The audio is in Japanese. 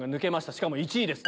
しかも１位です。